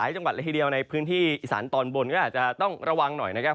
จังหวัดละทีเดียวในพื้นที่อีสานตอนบนก็อาจจะต้องระวังหน่อยนะครับ